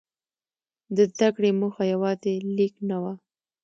د زده کړې موخه یوازې لیک نه وه.